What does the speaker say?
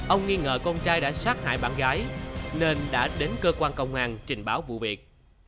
ông nghi ngờ con trai đã sát hại bạn gái nên đã đến cơ quan công an trình báo vụ việc